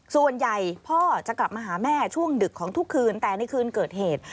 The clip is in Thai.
ส่วนใหญ่พ่อจะกลับมาหาแม่ช่วงดึกของทุกคืนแต่ในคืนเกิดเหตุ